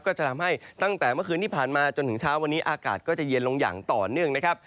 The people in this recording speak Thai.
ก็จะทำให้ตั้งแต่เมื่อคืนที่ผ่านมาจนถึงเช้าวันนี้อากาศก็จะเย็นลงอย่างต่อเนื่องนะครับ